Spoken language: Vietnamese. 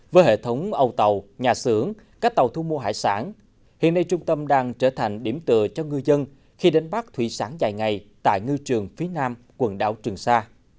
với hệ thống âu tàu nhà xưởng các tàu thu mua hải sản hiện nay trung tâm đang trở thành điểm tựa cho ngư dân khi đánh bắt thủy sáng dài ngày tại ngư trường phía nam quần đảo trường sa